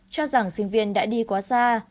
cho rằng sinh viên đã đi quá xa